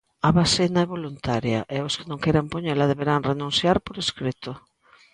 A vacina é voluntaria e os que non queiran poñela deberán renunciar por escrito.